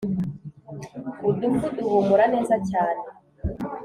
udufu duhumura neza cyane